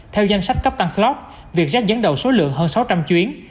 theo danh sách cấp tăng slot việc rách dẫn đầu số lượng hơn sáu trăm linh chuyến